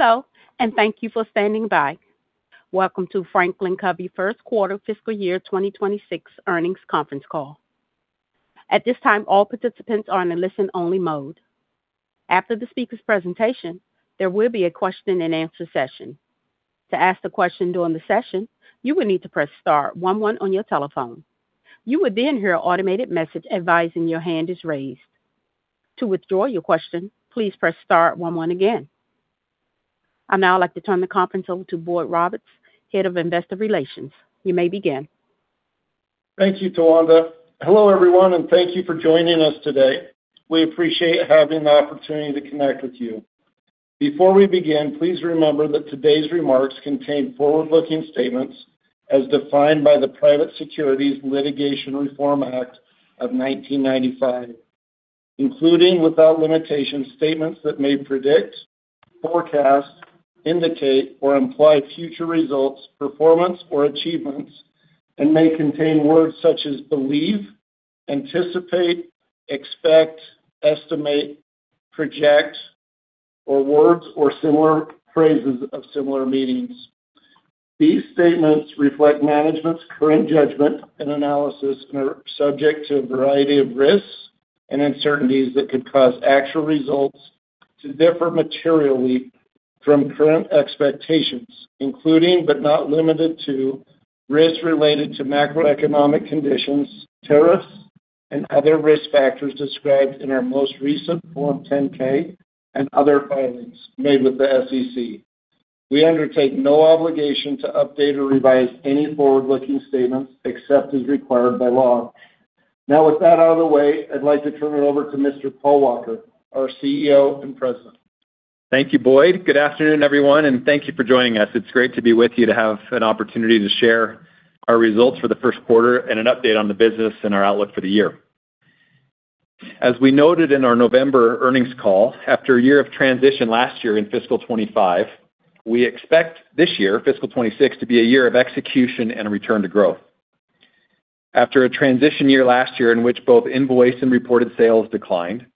Hello, and thank you for standing by. Welcome to FranklinCovey First Quarter Fiscal Year 2026 Earnings Conference Call. At this time, all participants are in a listen-only mode. After the speaker's presentation, there will be a question-and-answer session. To ask a question during the session, you will need to press Star one-one on your telephone. You will then hear an automated message advising your hand is raised. To withdraw your question, please press Star one-one again. I'd now like to turn the conference over to Boyd Roberts, Head of Investor Relations. You may begin. Thank you, Tawanda. Hello, everyone, and thank you for joining us today. We appreciate having the opportunity to connect with you. Before we begin, please remember that today's remarks contain forward-looking statements as defined by the Private Securities Litigation Reform Act of 1995, including without limitation statements that may predict, forecast, indicate, or imply future results, performance, or achievements, and may contain words such as believe, anticipate, expect, estimate, project, or words or similar phrases of similar meanings. These statements reflect management's current judgment and analysis and are subject to a variety of risks and uncertainties that could cause actual results to differ materially from current expectations, including, but not limited to, risks related to macroeconomic conditions, tariffs, and other risk factors described in our most recent Form 10-K and other filings made with the SEC. We undertake no obligation to update or revise any forward-looking statements except as required by law. Now, with that out of the way, I'd like to turn it over to Mr. Paul Walker, our CEO and President. Thank you, Boyd. Good afternoon, everyone, and thank you for joining us. It's great to be with you to have an opportunity to share our results for the first quarter and an update on the business and our outlook for the year. As we noted in our November earnings call, after a year of transition last year in fiscal 2025, we expect this year, fiscal 2026, to be a year of execution and return to growth. After a transition year last year in which both invoiced amounts and reported sales declined,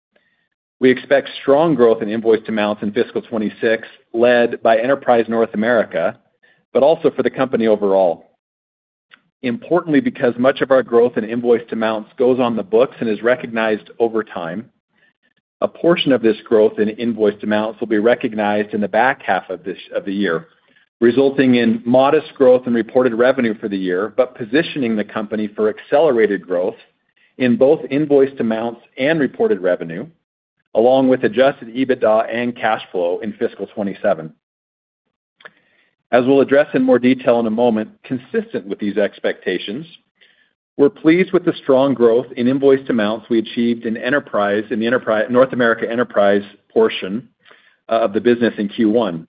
we expect strong growth in invoiced amounts in fiscal 2026, led by Enterprise North America, but also for the company overall. Importantly, because much of our growth in invoiced amounts goes on the books and is recognized over time, a portion of this growth in invoiced amounts will be recognized in the back half of the year, resulting in modest growth in reported revenue for the year, but positioning the company for accelerated growth in both invoiced amounts and reported revenue, along with Adjusted EBITDA and cash flow in fiscal 2027. As we'll address in more detail in a moment, consistent with these expectations, we're pleased with the strong growth in invoiced amounts we achieved in North America Enterprise portion of the business in Q1,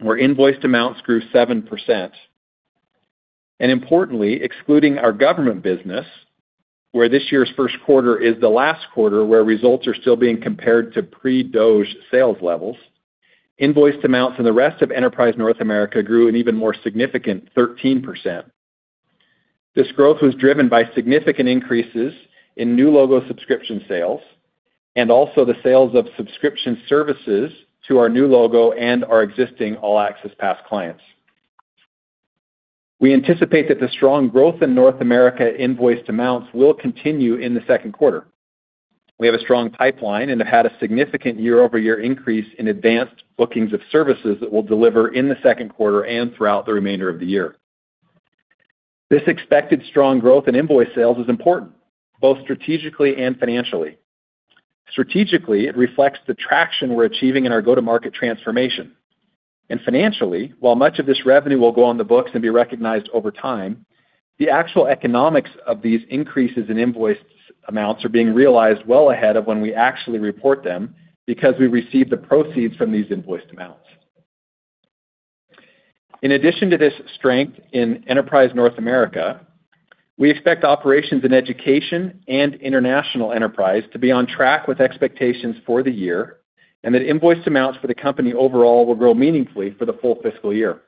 where invoiced amounts grew 7%. Importantly, excluding our government business, where this year's first quarter is the last quarter where results are still being compared to pre-DOGE sales levels, invoiced amounts and the rest of Enterprise North America grew an even more significant 13%. This growth was driven by significant increases in new logo subscription sales and also the sales of subscription services to our new logo and our existing All Access Pass clients. We anticipate that the strong growth in North America invoiced amounts will continue in the second quarter. We have a strong pipeline and have had a significant year-over-year increase in advanced bookings of services that we'll deliver in the second quarter and throughout the remainder of the year. This expected strong growth in invoiced amounts is important, both strategically and financially. Strategically, it reflects the traction we're achieving in our go-to-market transformation. Financially, while much of this revenue will go on the books and be recognized over time, the actual economics of these increases in invoiced amounts are being realized well ahead of when we actually report them because we receive the proceeds from these invoiced amounts. In addition to this strength in Enterprise North America, we expect operations in Education and International Enterprise to be on track with expectations for the year and that invoiced amounts for the company overall will grow meaningfully for the full fiscal year.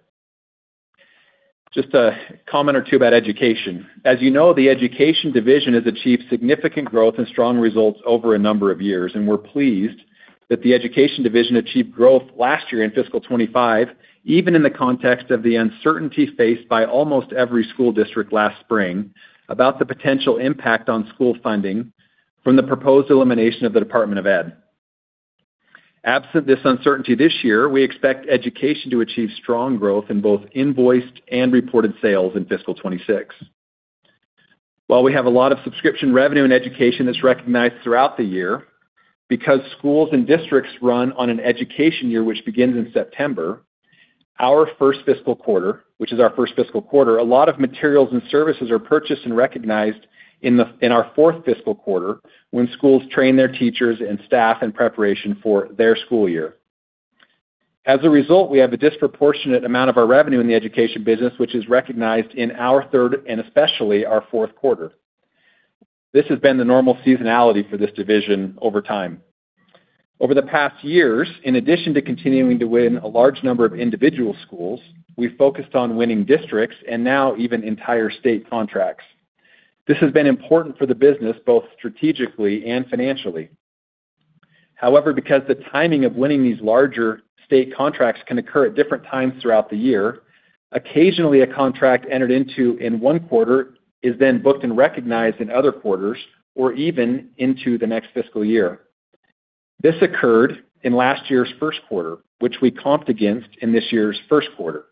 Just a comment or two about Education. As you know, the Education Division has achieved significant growth and strong results over a number of years, and we're pleased that the Education Division achieved growth last year in fiscal 2025, even in the context of the uncertainty faced by almost every school district last spring about the potential impact on school funding from the proposed elimination of the Department of Education. Absent this uncertainty this year, we expect Education to achieve strong growth in both invoiced and reported sales in fiscal 2026. While we have a lot of subscription revenue in Education that's recognized throughout the year, because schools and districts run on an Education year which begins in September, our first fiscal quarter, a lot of materials and services are purchased and recognized in our fourth fiscal quarter when schools train their teachers and staff in preparation for their school year. As a result, we have a disproportionate amount of our revenue in the Education business, which is recognized in our third and especially our fourth quarter. This has been the normal seasonality for this division over time. Over the past years, in addition to continuing to win a large number of individual schools, we've focused on winning districts and now even entire state contracts. This has been important for the business both strategically and financially. However, because the timing of winning these larger state contracts can occur at different times throughout the year, occasionally a contract entered into in one quarter is then booked and recognized in other quarters or even into the next fiscal year. This occurred in last year's first quarter, which we comped against in this year's first quarter.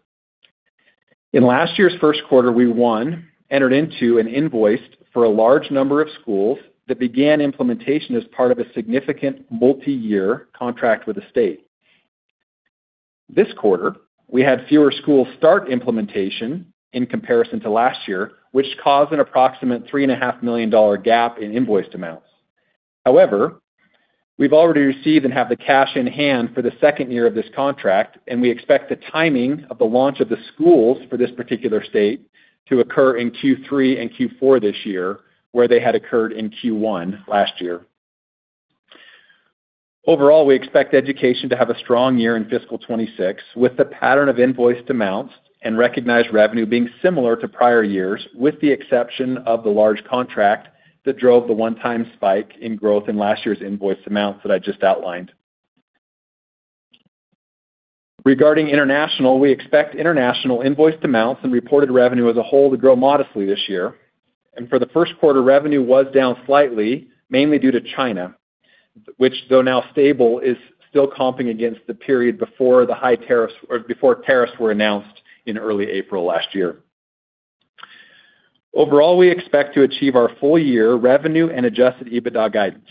In last year's first quarter, we won, entered into an invoice for a large number of schools that began implementation as part of a significant multi-year contract with the state. This quarter, we had fewer schools start implementation in comparison to last year, which caused an approximate $3.5 million gap in invoiced amounts. However, we've already received and have the cash in hand for the second year of this contract, and we expect the timing of the launch of the schools for this particular state to occur in Q3 and Q4 this year, where they had occurred in Q1 last year. Overall, we expect Education to have a strong year in fiscal 2026, with the pattern of invoiced amounts and recognized revenue being similar to prior years, with the exception of the large contract that drove the one-time spike in growth in last year's invoiced amounts that I just outlined. Regarding international, we expect international invoiced amounts and reported revenue as a whole to grow modestly this year, and for the first quarter, revenue was down slightly, mainly due to China, which, though now stable, is still comping against the period before the high tariffs were announced in early April last year. Overall, we expect to achieve our full-year revenue and Adjusted EBITDA guidance.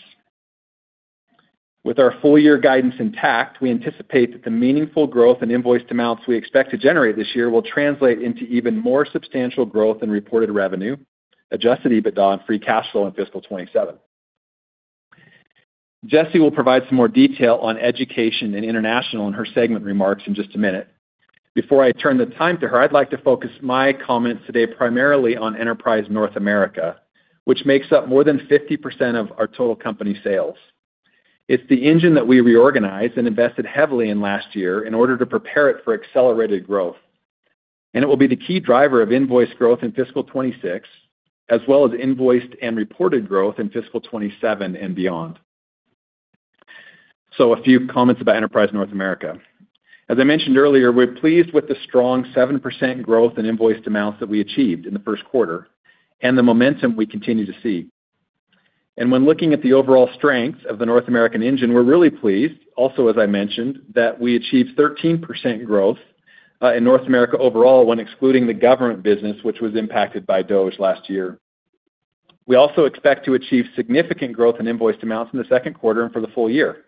With our full-year guidance intact, we anticipate that the meaningful growth in invoiced amounts we expect to generate this year will translate into even more substantial growth in reported revenue, Adjusted EBITDA, and free cash flow in fiscal 2027. Jessi will provide some more detail on Education and international in her segment remarks in just a minute. Before I turn the time to her, I'd like to focus my comments today primarily on Enterprise North America, which makes up more than 50% of our total company sales. It's the engine that we reorganized and invested heavily in last year in order to prepare it for accelerated growth, and it will be the key driver of invoiced growth in fiscal 2026, as well as invoiced and reported growth in fiscal 2027 and beyond, so a few comments about Enterprise North America. As I mentioned earlier, we're pleased with the strong 7% growth in invoiced amounts that we achieved in the first quarter and the momentum we continue to see, and when looking at the overall strength of the North American engine, we're really pleased, also, as I mentioned, that we achieved 13% growth in North America overall when excluding the government business, which was impacted by DOGE last year. We also expect to achieve significant growth in invoiced amounts in the second quarter and for the full year.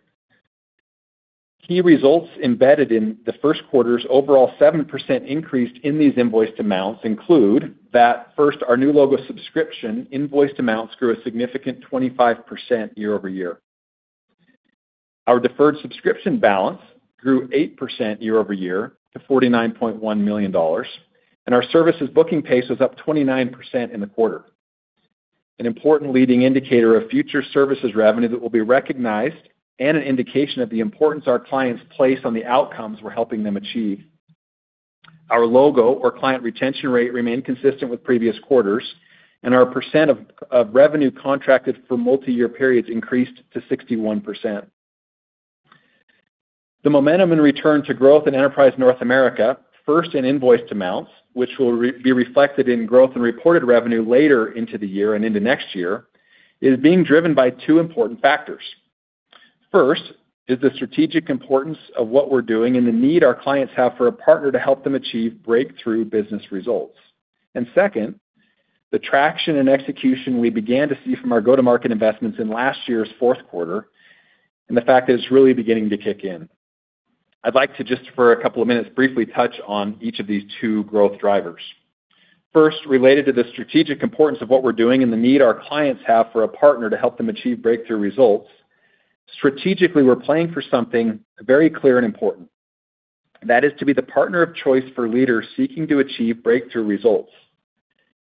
Key results embedded in the first quarter's overall 7% increase in these invoiced amounts include that, first, our new logo subscription invoiced amounts grew a significant 25% year-over-year. Our deferred subscription balance grew 8% year-over-year to $49.1 million, and our services booking pace was up 29% in the quarter. An important leading indicator of future services revenue that will be recognized and an indication of the importance our clients place on the outcomes we're helping them achieve. Our logo, or client retention rate, remained consistent with previous quarters, and our percent of revenue contracted for multi-year periods increased to 61%. The momentum in return to growth in Enterprise North America, first in invoiced amounts, which will be reflected in growth in reported revenue later into the year and into next year, is being driven by two important factors. First is the strategic importance of what we're doing and the need our clients have for a partner to help them achieve breakthrough business results. And second, the traction and execution we began to see from our go-to-market investments in last year's fourth quarter and the fact that it's really beginning to kick in. I'd like to just, for a couple of minutes, briefly touch on each of these two growth drivers. First, related to the strategic importance of what we're doing and the need our clients have for a partner to help them achieve breakthrough results, strategically, we're playing for something very clear and important. That is to be the partner of choice for leaders seeking to achieve breakthrough results.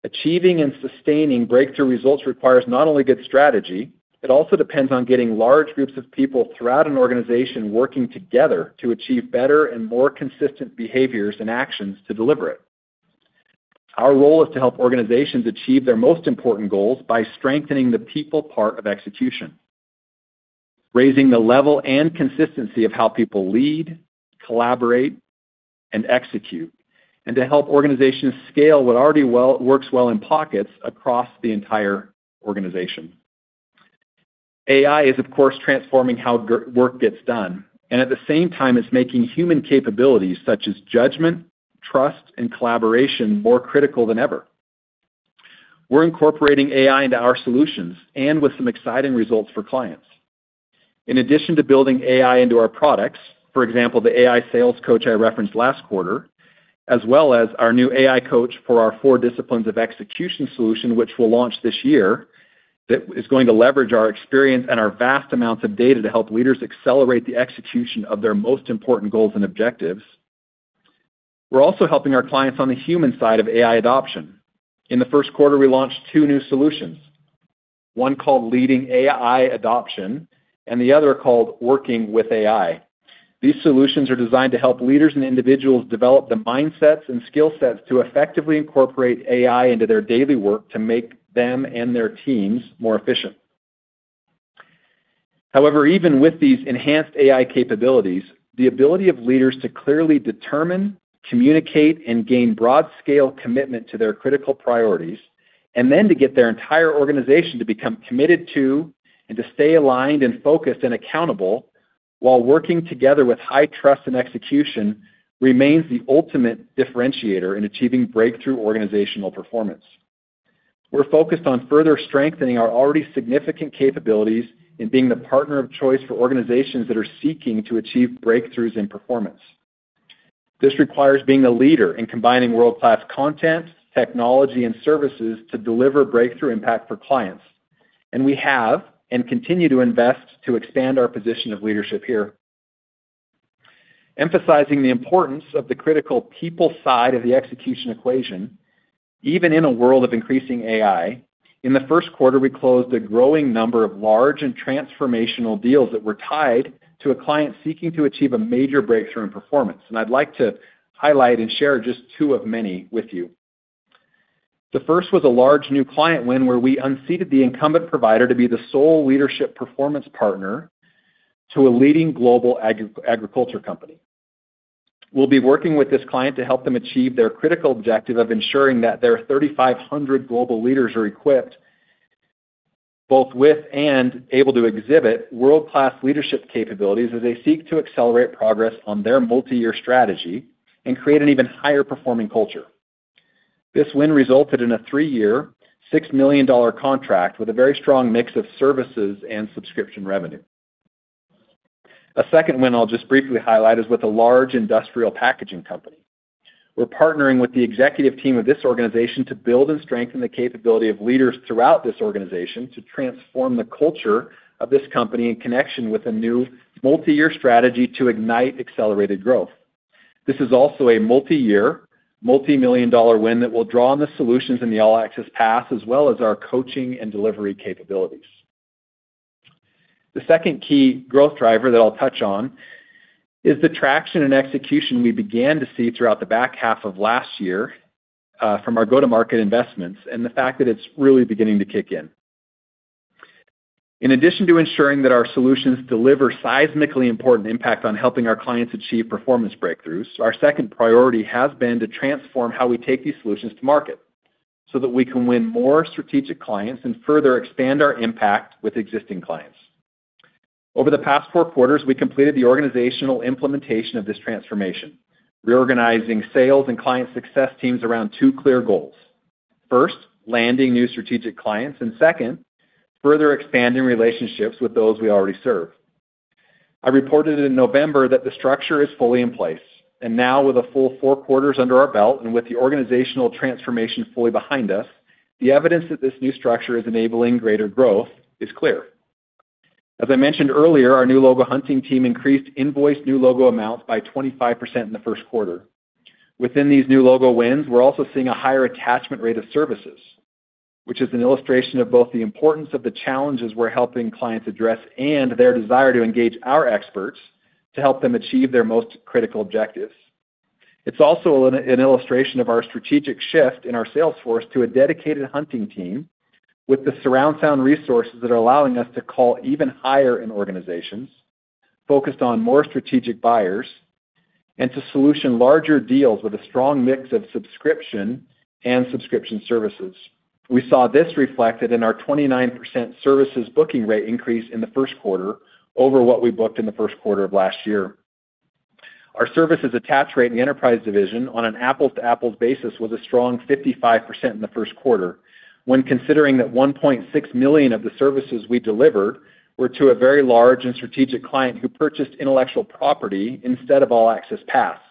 Achieving and sustaining breakthrough results requires not only good strategy, it also depends on getting large groups of people throughout an organization working together to achieve better and more consistent behaviors and actions to deliver it. Our role is to help organizations achieve their most important goals by strengthening the people part of execution, raising the level and consistency of how people lead, collaborate, and execute, and to help organizations scale what already works well in pockets across the entire organization. AI is, of course, transforming how work gets done, and at the same time, it's making human capabilities such as judgment, trust, and collaboration more critical than ever. We're incorporating AI into our solutions and with some exciting results for clients. In addition to building AI into our products, for example, the AI Sales Coach I referenced last quarter, as well as our new AI Coach for our 4 Disciplines of Execution solution, which we'll launch this year, that is going to leverage our experience and our vast amounts of data to help leaders accelerate the execution of their most important goals and objectives. We're also helping our clients on the human side of AI adoption. In the first quarter, we launched two new solutions, one called Leading AI Adoption and the other called Working with AI. These solutions are designed to help leaders and individuals develop the mindsets and skill sets to effectively incorporate AI into their daily work to make them and their teams more efficient. However, even with these enhanced AI capabilities, the ability of leaders to clearly determine, communicate, and gain broad-scale commitment to their critical priorities, and then to get their entire organization to become committed to and to stay aligned and focused and accountable while working together with high trust and execution remains the ultimate differentiator in achieving breakthrough organizational performance. We're focused on further strengthening our already significant capabilities in being the partner of choice for organizations that are seeking to achieve breakthroughs in performance. This requires being a leader in combining world-class content, technology, and services to deliver breakthrough impact for clients, and we have and continue to invest to expand our position of leadership here. Emphasizing the importance of the critical people side of the execution equation, even in a world of increasing AI, in the first quarter, we closed a growing number of large and transformational deals that were tied to a client seeking to achieve a major breakthrough in performance, and I'd like to highlight and share just two of many with you. The first was a large new client win where we unseated the incumbent provider to be the sole leadership performance partner to a leading global agriculture company. We'll be working with this client to help them achieve their critical objective of ensuring that their 3,500 global leaders are equipped, both with and able to exhibit world-class leadership capabilities as they seek to accelerate progress on their multi-year strategy and create an even higher-performing culture. This win resulted in a three-year, $6 million contract with a very strong mix of services and subscription revenue. A second win I'll just briefly highlight is with a large industrial packaging company. We're partnering with the executive team of this organization to build and strengthen the capability of leaders throughout this organization to transform the culture of this company in connection with a new multi-year strategy to ignite accelerated growth. This is also a multi-year, multi-million dollar win that will draw on the solutions in the All Access Pass as well as our coaching and delivery capabilities. The second key growth driver that I'll touch on is the traction and execution we began to see throughout the back half of last year from our go-to-market investments and the fact that it's really beginning to kick in. In addition to ensuring that our solutions deliver seismically important impact on helping our clients achieve performance breakthroughs, our second priority has been to transform how we take these solutions to market so that we can win more strategic clients and further expand our impact with existing clients. Over the past four quarters, we completed the organizational implementation of this transformation, reorganizing sales and client success teams around two clear goals. First, landing new strategic clients, and second, further expanding relationships with those we already serve. I reported in November that the structure is fully in place. And now, with a full four quarters under our belt and with the organizational transformation fully behind us, the evidence that this new structure is enabling greater growth is clear. As I mentioned earlier, our new logo hunting team increased invoiced new logo amounts by 25% in the first quarter. Within these new logo wins, we're also seeing a higher attachment rate of services, which is an illustration of both the importance of the challenges we're helping clients address and their desire to engage our experts to help them achieve their most critical objectives. It's also an illustration of our strategic shift in our sales force to a dedicated hunting team with the surround sound resources that are allowing us to call even higher in organizations, focused on more strategic buyers, and to solution larger deals with a strong mix of subscription and subscription services. We saw this reflected in our 29% services booking rate increase in the first quarter over what we booked in the first quarter of last year. Our services attach rate in the Enterprise Division on an apples-to-apples basis was a strong 55% in the first quarter, when considering that $1.6 million of the services we delivered were to a very large and strategic client who purchased intellectual property instead of All Access Passes.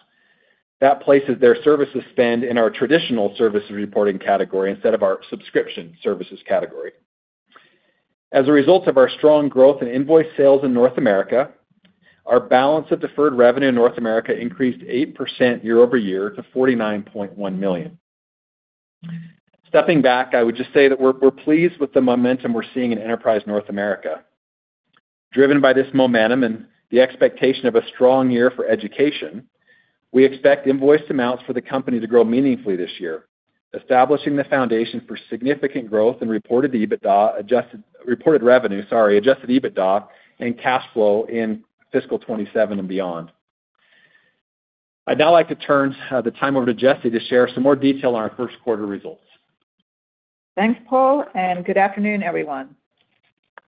That places their services spend in our traditional services reporting category instead of our subscription services category. As a result of our strong growth in invoiced sales in North America, our balance of deferred revenue in North America increased 8% year-over-year to $49.1 million. Stepping back, I would just say that we're pleased with the momentum we're seeing in Enterprise North America. Driven by this momentum and the expectation of a strong year for Education, we expect invoiced amounts for the company to grow meaningfully this year, establishing the foundation for significant growth in reported revenue and cash flow in fiscal 2027 and beyond. I'd now like to turn the time over to Jessi to share some more detail on our first quarter results. Thanks, Paul, and good afternoon, everyone.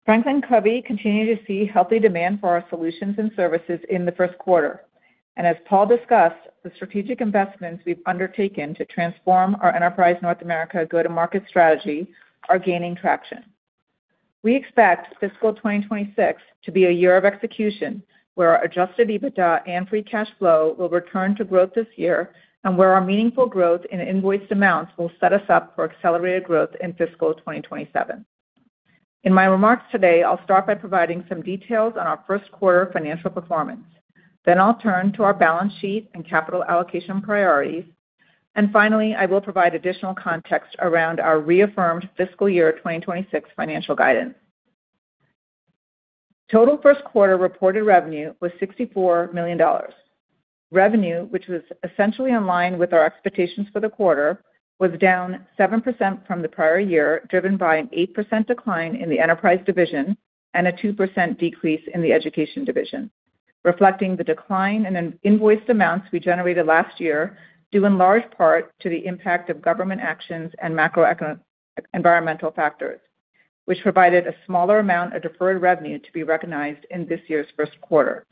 FranklinCovey continues to see healthy demand for our solutions and services in the first quarter. And as Paul discussed, the strategic investments we've undertaken to transform our enterprise North America go-to-market strategy are gaining traction. We expect fiscal 2026 to be a year of execution where our Adjusted EBITDA and free cash flow will return to growth this year and where our meaningful growth in invoiced amounts will set us up for accelerated growth in fiscal 2027. In my remarks today, I'll start by providing some details on our first quarter financial performance. Then I'll turn to our balance sheet and capital allocation priorities. And finally, I will provide additional context around our reaffirmed fiscal year 2026 financial guidance. Total first quarter reported revenue was $64 million. Revenue, which was essentially in line with our expectations for the quarter, was down 7% from the prior year, driven by an 8% decline in the Enterprise Division and a 2% decrease in the Education Division, reflecting the decline in invoiced amounts we generated last year due in large part to the impact of government actions and macroeconomic environmental factors, which provided a smaller amount of deferred revenue to be recognized in this year's first quarter.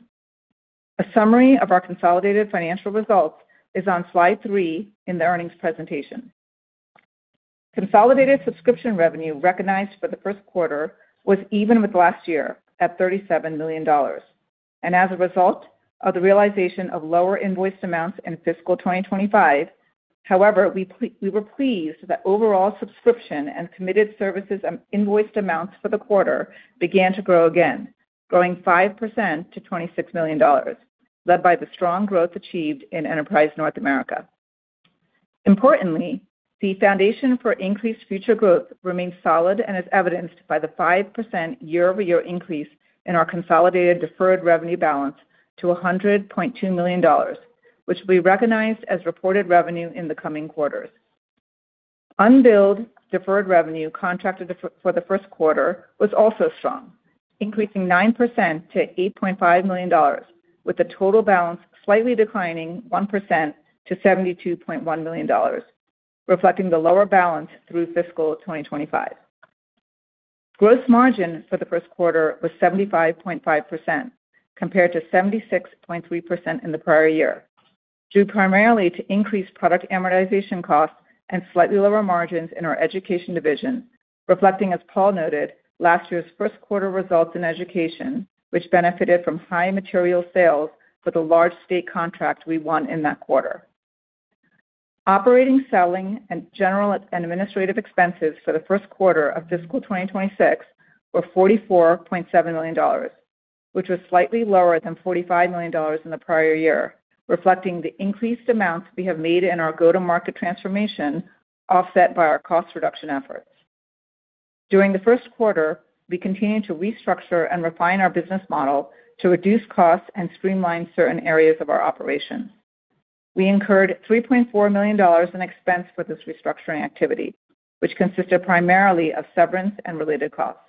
A summary of our consolidated financial results is on slide three in the earnings presentation. Consolidated subscription revenue recognized for the first quarter was even with last year at $37 million. As a result of the realization of lower invoiced amounts in fiscal 2025, however, we were pleased that overall subscription and committed services invoiced amounts for the quarter began to grow again, growing 5% to $26 million, led by the strong growth achieved in Enterprise North America. Importantly, the foundation for increased future growth remains solid and is evidenced by the 5% year-over-year increase in our consolidated deferred revenue balance to $100.2 million, which will be recognized as reported revenue in the coming quarters. Unbilled deferred revenue contracted for the first quarter was also strong, increasing 9% to $8.5 million, with the total balance slightly declining 1% to $72.1 million, reflecting the lower balance through fiscal 2025. Gross margin for the first quarter was 75.5% compared to 76.3% in the prior year, due primarily to increased product amortization costs and slightly lower margins in our Education Division, reflecting, as Paul noted, last year's first quarter results in Education, which benefited from high material sales for the large state contract we won in that quarter. Operating selling and general administrative expenses for the first quarter of fiscal 2026 were $44.7 million, which was slightly lower than $45 million in the prior year, reflecting the increased amounts we have made in our go-to-market transformation offset by our cost reduction efforts. During the first quarter, we continued to restructure and refine our business model to reduce costs and streamline certain areas of our operations. We incurred $3.4 million in expense for this restructuring activity, which consisted primarily of severance and related costs.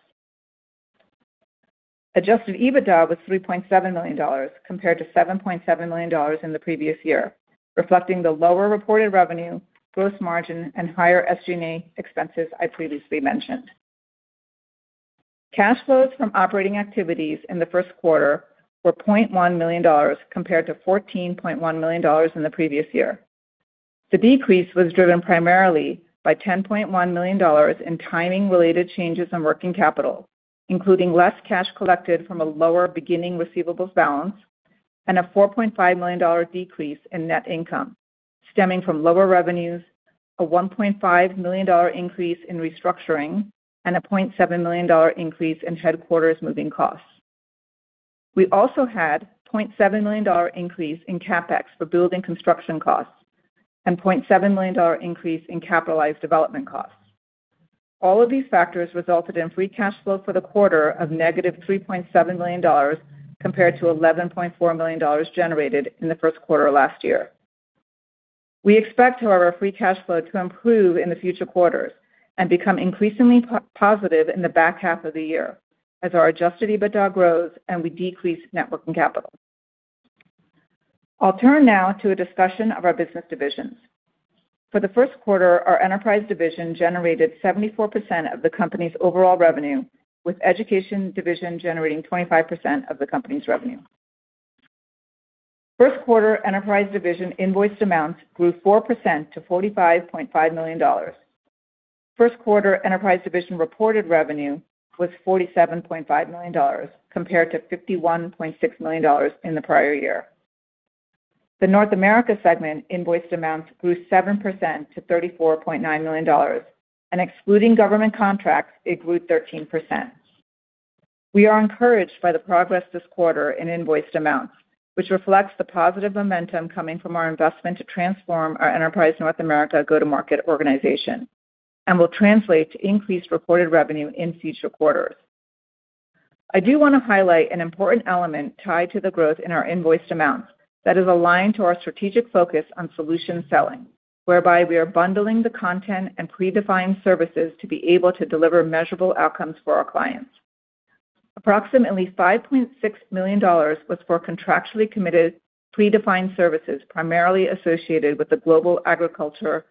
Adjusted EBITDA was $3.7 million compared to $7.7 million in the previous year, reflecting the lower reported revenue, gross margin, and higher SG&A expenses I previously mentioned. Cash flows from operating activities in the first quarter were $0.1 million compared to $14.1 million in the previous year. The decrease was driven primarily by $10.1 million in timing-related changes in working capital, including less cash collected from a lower beginning receivables balance and a $4.5 million decrease in net income stemming from lower revenues, a $1.5 million increase in restructuring, and a $0.7 million increase in headquarters moving costs. We also had a $0.7 million increase in CapEx for building construction costs and a $0.7 million increase in capitalized development costs. All of these factors resulted in free cash flow for the quarter of negative $3.7 million compared to $11.4 million generated in the first quarter of last year. We expect, however, free cash flow to improve in the future quarters and become increasingly positive in the back half of the year as our Adjusted EBITDA grows and we decrease net working capital. I'll turn now to a discussion of our business divisions. For the first quarter, our Enterprise Division generated 74% of the company's overall revenue, with Education Division generating 25% of the company's revenue. First quarter Enterprise Division invoiced amounts grew 4% to $45.5 million. First quarter Enterprise Division reported revenue was $47.5 million compared to $51.6 million in the prior year. The North America segment invoiced amounts grew 7% to $34.9 million, and excluding government contracts, it grew 13%. We are encouraged by the progress this quarter in invoiced amounts, which reflects the positive momentum coming from our investment to transform our enterprise North America go-to-market organization and will translate to increased reported revenue in future quarters. I do want to highlight an important element tied to the growth in our invoiced amounts that is aligned to our strategic focus on solution selling, whereby we are bundling the content and predefined services to be able to deliver measurable outcomes for our clients. Approximately $5.6 million was for contractually committed predefined services primarily associated with the global agriculture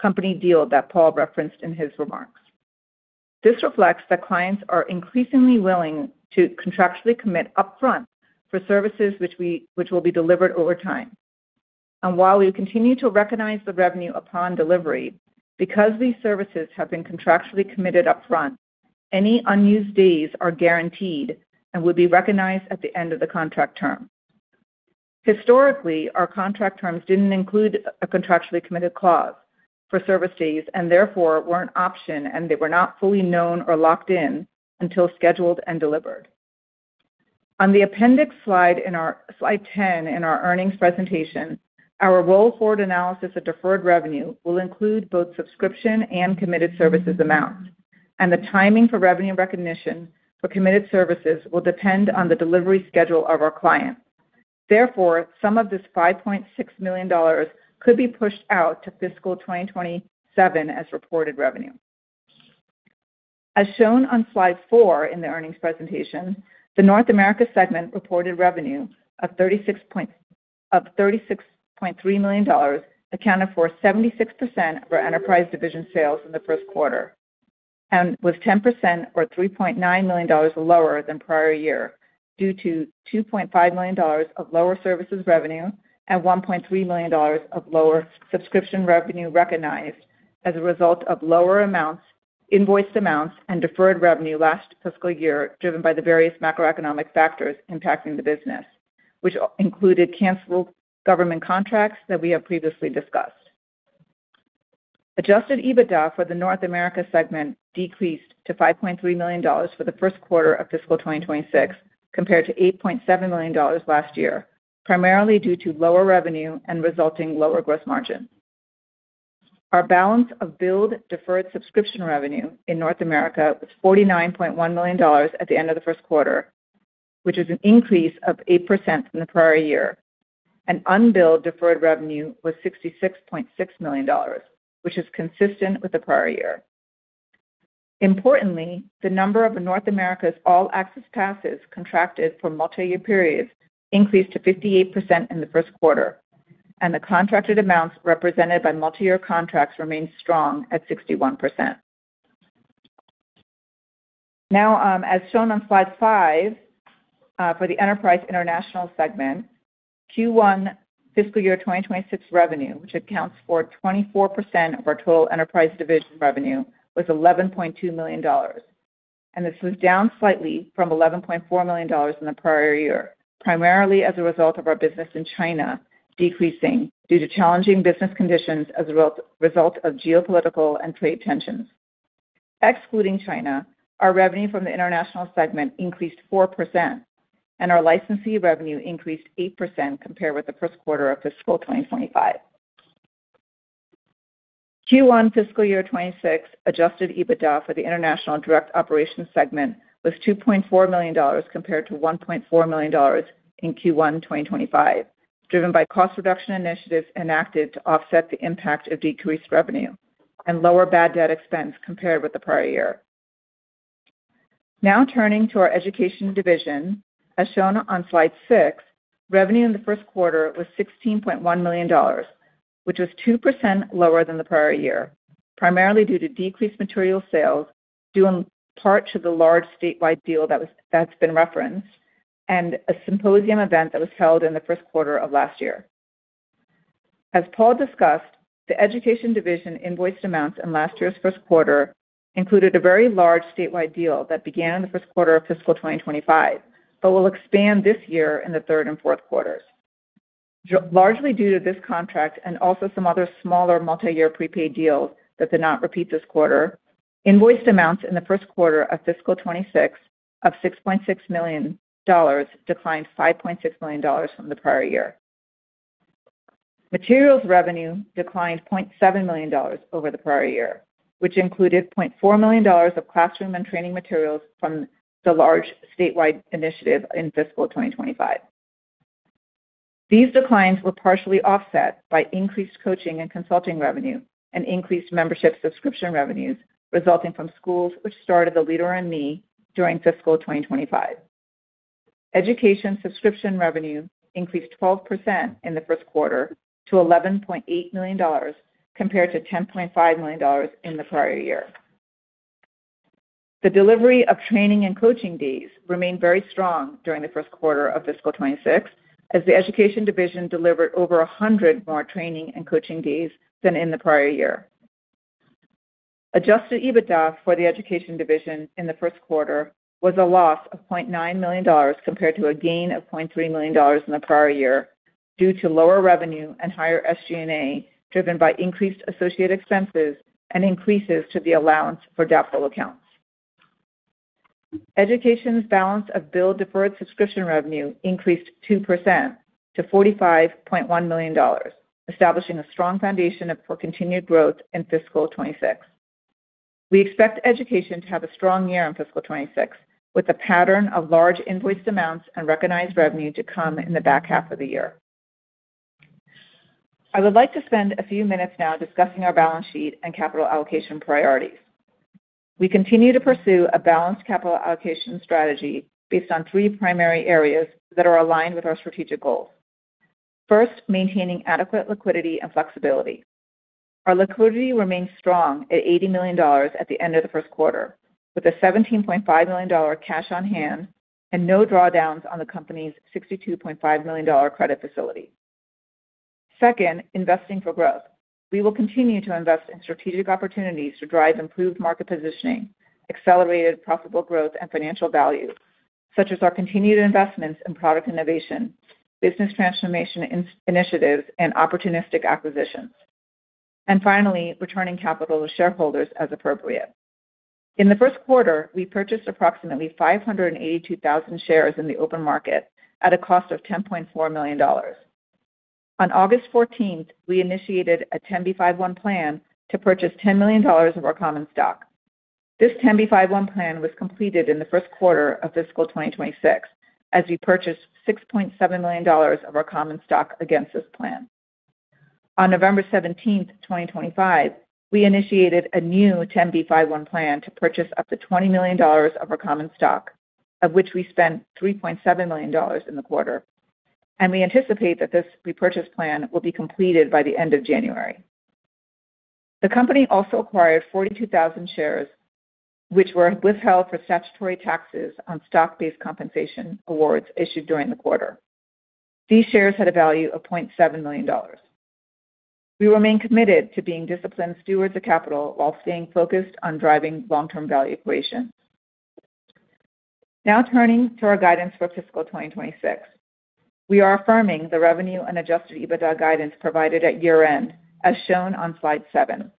company deal that Paul referenced in his remarks. This reflects that clients are increasingly willing to contractually commit upfront for services which will be delivered over time. While we continue to recognize the revenue upon delivery, because these services have been contractually committed upfront, any unused days are guaranteed and will be recognized at the end of the contract term. Historically, our contract terms didn't include a contractually committed clause for service days and therefore weren't optional, and they were not fully known or locked in until scheduled and delivered. On the appendix slide in our slide 10 in our earnings presentation, our roll-forward analysis of deferred revenue will include both subscription and committed services amounts, and the timing for revenue recognition for committed services will depend on the delivery schedule of our client. Therefore, some of this $5.6 million could be pushed out to fiscal 2027 as reported revenue. As shown on slide four in the earnings presentation, the North America segment reported revenue of $36.3 million accounted for 76% of our Enterprise Division sales in the first quarter and was 10% or $3.9 million lower than prior year due to $2.5 million of lower services revenue and $1.3 million of lower subscription revenue recognized as a result of lower amounts, invoiced amounts, and deferred revenue last fiscal year driven by the various macroeconomic factors impacting the business, which included canceled government contracts that we have previously discussed. Adjusted EBITDA for the North America segment decreased to $5.3 million for the first quarter of fiscal 2026 compared to $8.7 million last year, primarily due to lower revenue and resulting lower gross margin. Our balance of billed deferred subscription revenue in North America was $49.1 million at the end of the first quarter, which was an increase of 8% from the prior year, and unbilled deferred revenue was $66.6 million, which is consistent with the prior year. Importantly, the number of North America's All Access Passes contracted for multi-year periods increased to 58% in the first quarter, and the contracted amounts represented by multi-year contracts remained strong at 61%. Now, as shown on Slide five for the Enterprise International segment, Q1 fiscal year 2026 revenue, which accounts for 24% of our total Enterprise Division revenue, was $11.2 million, and this was down slightly from $11.4 million in the prior year, primarily as a result of our business in China decreasing due to challenging business conditions as a result of geopolitical and trade tensions. Excluding China, our revenue from the International segment increased 4%, and our licensee revenue increased 8% compared with the first quarter of fiscal 2025. Q1 fiscal year 2026 Adjusted EBITDA for the International Direct Operations segment was $2.4 million compared to $1.4 million in Q1 2025, driven by cost reduction initiatives enacted to offset the impact of decreased revenue and lower bad debt expense compared with the prior year. Now turning to our Education Division, as shown on slide six, revenue in the first quarter was $16.1 million, which was 2% lower than the prior year, primarily due to decreased material sales due in part to the large statewide deal that's been referenced and a symposium event that was held in the first quarter of last year. As Paul discussed, the Education Division invoiced amounts in last year's first quarter included a very large statewide deal that began in the first quarter of fiscal 2025, but will expand this year in the third and fourth quarters. Largely due to this contract and also some other smaller multi-year prepaid deals that did not repeat this quarter, invoiced amounts in the first quarter of fiscal 2026 of $6.6 million declined $5.6 million from the prior year. Materials revenue declined $0.7 million over the prior year, which included $0.4 million of classroom and training materials from the large statewide initiative in fiscal 2025. These declines were partially offset by increased coaching and consulting revenue and increased membership subscription revenues resulting from schools, which started the Leader in Me during fiscal 2025. Education subscription revenue increased 12% in the first quarter to $11.8 million compared to $10.5 million in the prior year. The delivery of training and coaching days remained very strong during the first quarter of fiscal 2026, as the Education Division delivered over 100 more training and coaching days than in the prior year. Adjusted EBITDA for the Education Division in the first quarter was a loss of $0.9 million compared to a gain of $0.3 million in the prior year due to lower revenue and higher SG&A driven by increased associated expenses and increases to the allowance for doubtful accounts. Education's balance of billed deferred subscription revenue increased 2% to $45.1 million, establishing a strong foundation for continued growth in fiscal 2026. We expect Education to have a strong year in fiscal 26, with a pattern of large invoiced amounts and recognized revenue to come in the back half of the year. I would like to spend a few minutes now discussing our balance sheet and capital allocation priorities. We continue to pursue a balanced capital allocation strategy based on three primary areas that are aligned with our strategic goals. First, maintaining adequate liquidity and flexibility. Our liquidity remained strong at $80 million at the end of the first quarter, with a $17.5 million cash on hand and no drawdowns on the company's $62.5 million credit facility. Second, investing for growth. We will continue to invest in strategic opportunities to drive improved market positioning, accelerated profitable growth, and financial value, such as our continued investments in product innovation, business transformation initiatives, and opportunistic acquisitions. And finally, returning capital to shareholders as appropriate. In the first quarter, we purchased approximately 582,000 shares in the open market at a cost of $10.4 million. On August 14th, we initiated a 10b5-1 plan to purchase $10 million of our common stock. This 10b5-1 plan was completed in the first quarter of fiscal 2026, as we purchased $6.7 million of our common stock against this plan. On November 17th, 2025, we initiated a new 10b5-1 plan to purchase up to $20 million of our common stock, of which we spent $3.7 million in the quarter. And we anticipate that this repurchase plan will be completed by the end of January. The company also acquired 42,000 shares, which were withheld for statutory taxes on stock-based compensation awards issued during the quarter. These shares had a value of $0.7 million. We remain committed to being disciplined stewards of capital while staying focused on driving long-term value creation. Now turning to our guidance for fiscal 2026, we are affirming the revenue and Adjusted EBITDA guidance provided at year-end, as shown on slide seven.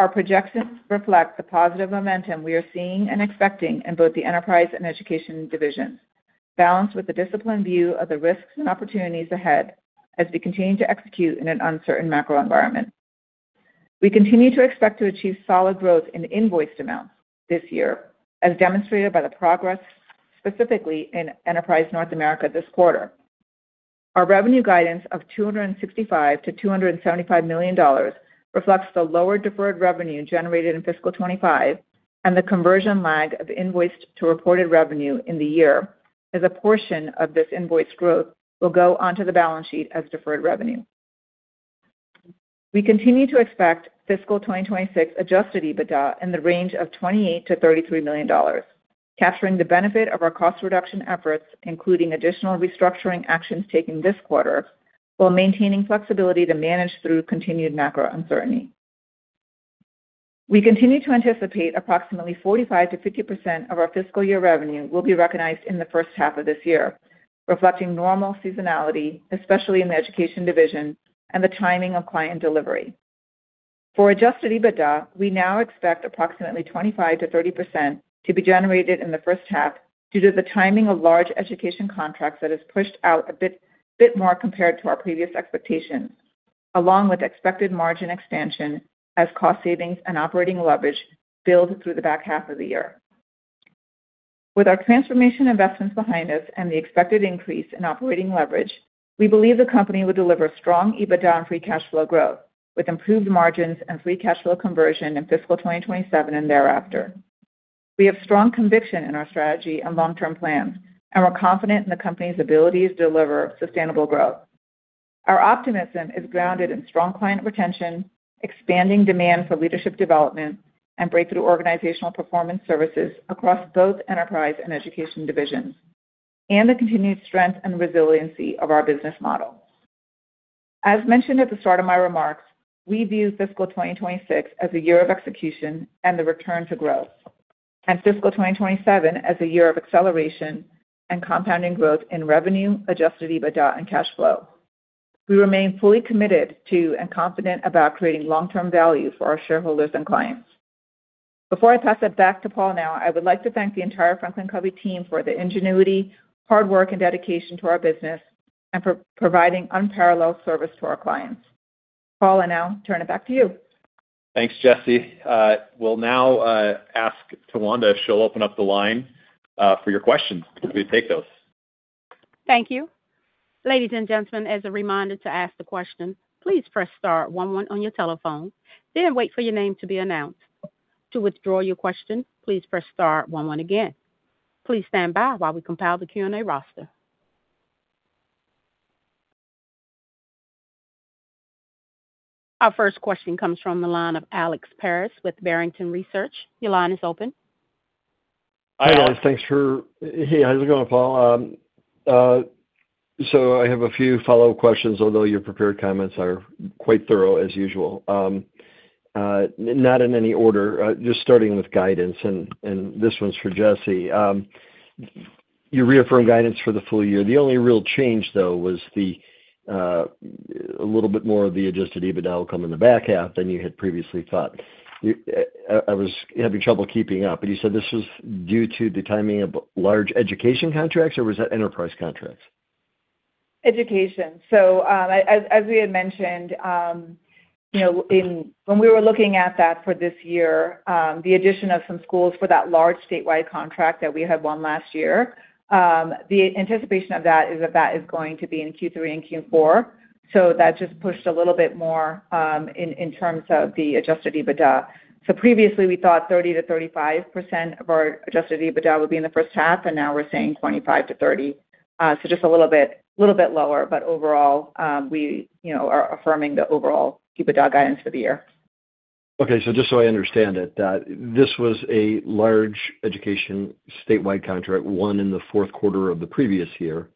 Our projections reflect the positive momentum we are seeing and expecting in both the enterprise and Education Divisions, balanced with the disciplined view of the risks and opportunities ahead as we continue to execute in an uncertain macro environment. We continue to expect to achieve solid growth in invoiced amounts this year, as demonstrated by the progress specifically in enterprise North America this quarter. Our revenue guidance of $265 million-$275 million reflects the lower deferred revenue generated in fiscal 2025 and the conversion lag of invoice to reported revenue in the year, as a portion of this invoice growth will go onto the balance sheet as deferred revenue. We continue to expect fiscal 2026 Adjusted EBITDA in the range of $28 million-$33 million, capturing the benefit of our cost reduction efforts, including additional restructuring actions taken this quarter, while maintaining flexibility to manage through continued macro uncertainty. We continue to anticipate approximately 45%-50% of our fiscal year revenue will be recognized in the first half of this year, reflecting normal seasonality, especially in the Education Division and the timing of client delivery. For Adjusted EBITDA, we now expect approximately 25%-30% to be generated in the first half due to the timing of large Education contracts that is pushed out a bit more compared to our previous expectations, along with expected margin expansion as cost savings and operating leverage build through the back half of the year. With our transformation investments behind us and the expected increase in operating leverage, we believe the company will deliver strong EBITDA and free cash flow growth, with improved margins and free cash flow conversion in fiscal 2027 and thereafter. We have strong conviction in our strategy and long-term plans, and we're confident in the company's ability to deliver sustainable growth. Our optimism is grounded in strong client retention, expanding demand for leadership development, and breakthrough organizational performance services across both enterprise and Education Divisions, and the continued strength and resiliency of our business model. As mentioned at the start of my remarks, we view fiscal 2026 as a year of execution and the return to growth, and fiscal 2027 as a year of acceleration and compounding growth in revenue, Adjusted EBITDA, and cash flow. We remain fully committed to and confident about creating long-term value for our shareholders and clients. Before I pass it back to Paul now, I would like to thank the entire FranklinCovey team for the ingenuity, hard work, and dedication to our business, and for providing unparalleled service to our clients. Paul, I now turn it back to you. Thanks, Jessi. We'll now ask Tawanda if she'll open up the line for your questions as we take those. Thank you. Ladies and gentlemen, as a reminder to ask the question, please press star 11 on your telephone, then wait for your name to be announced. To withdraw your question, please press star one-one again. Please stand by while we compile the Q&A roster. Our first question comes from the line of Alex Paris with Barrington Research. Your line is open. Hi, Alex. Thanks for—hey, how's it going, Paul? So I have a few follow-up questions, although your prepared comments are quite thorough as usual. Not in any order, just starting with guidance, and this one's for Jessi. You reaffirmed guidance for the full year. The only real change, though, was a little bit more of the Adjusted EBITDA will come in the back half than you had previously thought. I was having trouble keeping up, but you said this was due to the timing of large Education contracts, or was that enterprise contracts? Education. As we had mentioned, when we were looking at that for this year, the addition of some schools for that large statewide contract that we had won last year, the anticipation of that is that that is going to be in Q3 and Q4. That just pushed a little bit more in terms of the Adjusted EBITDA. Previously, we thought 30%-35% of our Adjusted EBITDA would be in the first half, and now we're saying 25%-30%. Just a little bit lower, but overall, we are affirming the overall EBITDA guidance for the year. Okay. Just so I understand it, this was a large Education statewide contract won in the fourth quarter of the previous year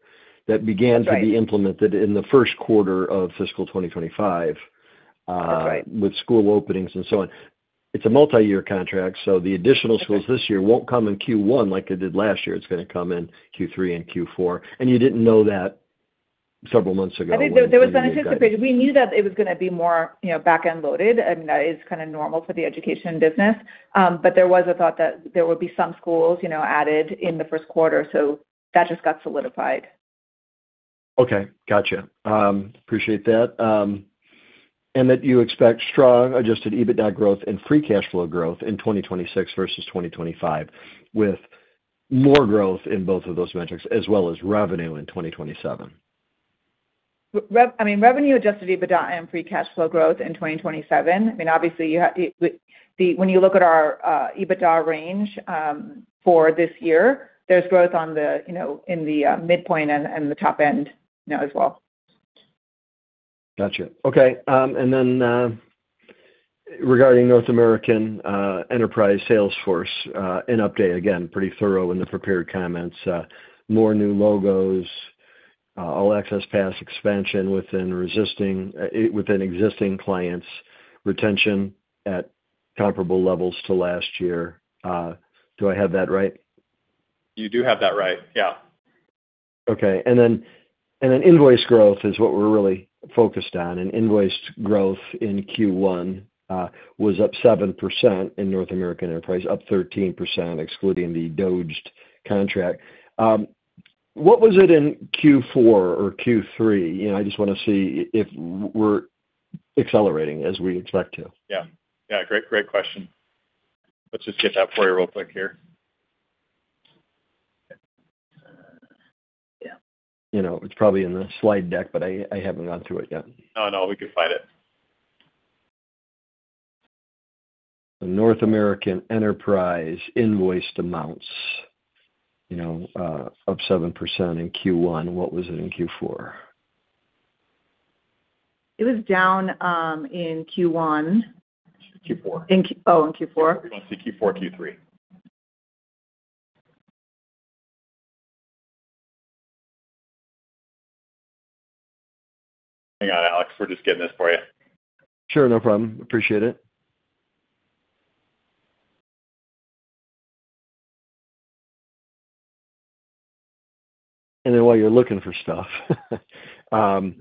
that began to be implemented in the first quarter of fiscal 2025 with school openings and so on. It's a multi-year contract, so the additional schools this year won't come in Q1 like they did last year. It's going to come in Q3 and Q4. And you didn't know that several months ago? There was an anticipated—we knew that it was going to be more back-end loaded. I mean, that is kind of normal for the Education business. But there was a thought that there would be some schools added in the first quarter, so that just got solidified. Okay. Gotcha. Appreciate that. And that you expect strong Adjusted EBITDA growth and free cash flow growth in 2026 versus 2025, with more growth in both of those metrics as well as revenue in 2027. I mean, revenue, Adjusted EBITDA, and free cash flow growth in 2027. I mean, obviously, when you look at our EBITDA range for this year, there's growth in the midpoint and the top end as well. Gotcha. Okay. And then regarding North American Enterprise sales force, an update again, pretty thorough in the prepared comments. More new logos, All Access Pass expansion within existing clients, retention at comparable levels to last year. Do I have that right? You do have that right. Yeah. Okay. And then invoice growth is what we're really focused on. And invoice growth in Q1 was up 7% in North American Enterprise, up 13%, excluding the DOGE contract. What was it in Q4 or Q3? I just want to see if we're accelerating as we expect to. Yeah. Yeah. Great question. Let's just get that for you real quick here. It's probably in the slide deck, but I haven't gone through it yet. Oh, no. We can find it. North American Enterprise invoiced amounts up 7% in Q1. What was it in Q4? It was down in Q1. Q4. Oh, in Q4. I see Q4, Q3. Hang on, Alex. We're just getting this for you. Sure. No problem. Appreciate it. And then while you're looking for stuff, in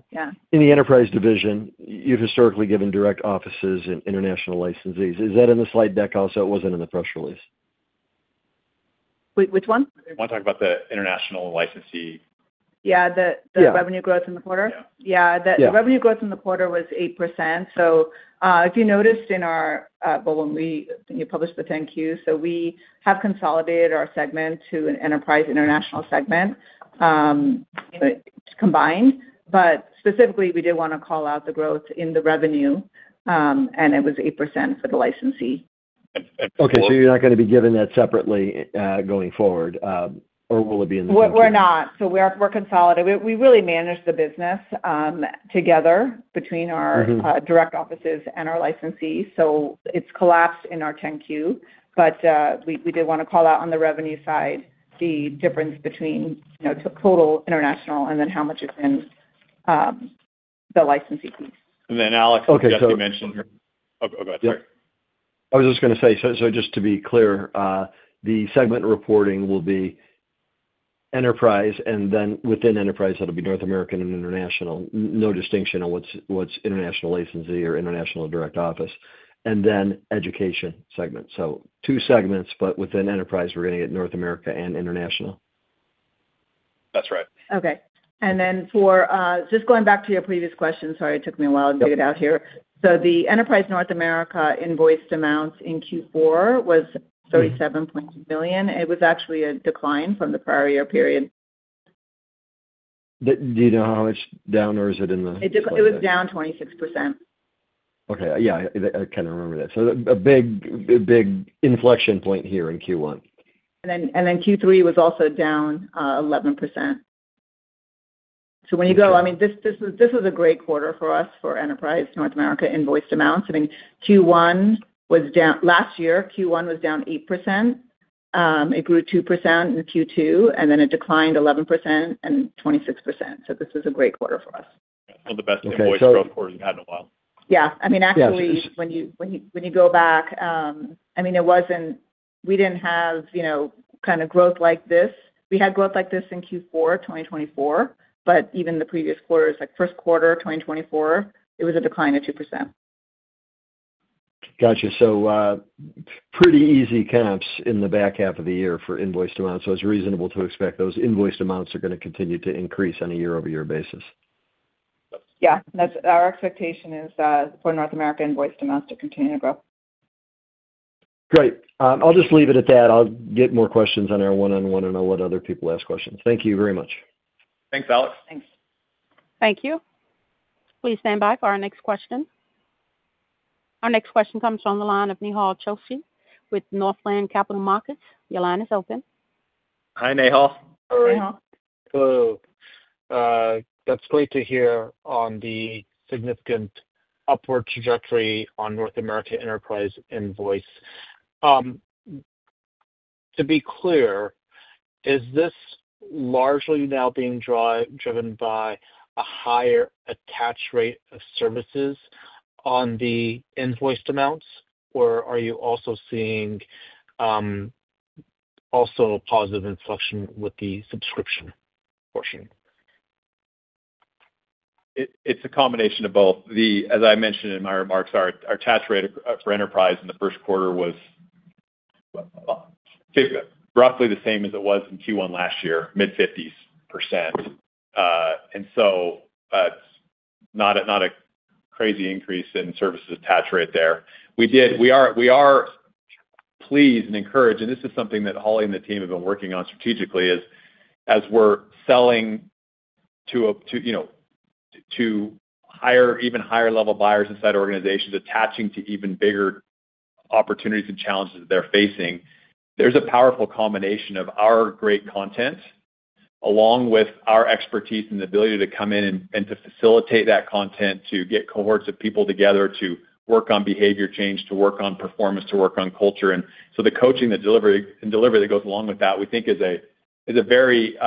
the Enterprise Division, you've historically given direct offices and international licensees. Is that in the slide deck also? It wasn't in the press release. Which one? You want to talk about the international licensee? Yeah. The revenue growth in the quarter? Yeah. The revenue growth in the quarter was 8%. So if you noticed in our, well, when you published the 10-Qs, so we have consolidated our segment to an Enterprise International segment combined. But specifically, we did want to call out the growth in the revenue, and it was 8% for the licensee. Okay. So you're not going to be given that separately going forward, or will it be in the future? We're not. So we're consolidated. We really manage the business together between our direct offices and our licensees. So it's collapsed in our 10-Q, but we did want to call out on the revenue side the difference between total international and then how much is in the licensee piece. And then, Alex, I think Jessi mentioned, oh, go ahead. Sorry. I was just going to say, so just to be clear, the segment reporting will be enterprise, and then within enterprise, that'll be North American and International, no distinction on what's international licensee or international direct office, and then Education segment. So two segments, but within enterprise, we're going to get North America and International. That's right. Okay. And then, for just going back to your previous question, sorry, it took me a while to dig it out here, so the Enterprise North America invoiced amounts in Q4 was $37.2 million. It was actually a decline from the prior year period. Do you know how much down, or is it in the? It was down 26%. Okay. Yeah. I kind of remember that. So a big inflection point here in Q1. And then Q3 was also down 11%. So when you go, I mean, this was a great quarter for us for Enterprise North America invoiced amounts. I mean, last year, Q1 was down 8%. It grew 2% in Q2, and then it declined 11% and 26%. So this was a great quarter for us. One of the best invoiced growth quarters we've had in a while. Yeah. I mean, actually, when you go back, I mean, we didn't have kind of growth like this. We had growth like this in Q4, 2024, but even the previous quarters, like first quarter 2024, it was a decline of 2%. Gotcha. So pretty easy comps in the back half of the year for invoiced amounts. So it's reasonable to expect those invoiced amounts are going to continue to increase on a year-over-year basis. Yeah. Our expectation is for North America invoiced amounts to continue to grow. Great. I'll just leave it at that. I'll get more questions on our one-on-one and I'll let other people ask questions. Thank you very much. Thanks, Alex. Thanks. Thank you. Please stand by for our next question. Our next question comes from the line of Nehal Chokshi with Northland Capital Markets. Your line is open. Hi, Nehal. Hello. Hello. That's great to hear on the significant upward trajectory on North America Enterprise invoiced amounts. To be clear, is this largely now being driven by a higher attach rate of services on the invoiced amounts, or are you also seeing positive inflection with the subscription portion? It's a combination of both. As I mentioned in my remarks, our attach rate for enterprise in the first quarter was roughly the same as it was in Q1 last year, mid-50s%. And so it's not a crazy increase in services attach rate there. We are pleased and encouraged, and this is something that Holly and the team have been working on strategically, as we're selling to even higher-level buyers inside organizations attaching to even bigger opportunities and challenges that they're facing. There's a powerful combination of our great content along with our expertise and the ability to come in and to facilitate that content to get cohorts of people together to work on behavior change, to work on performance, to work on culture. And so the coaching and delivery that goes along with that, we think, is a very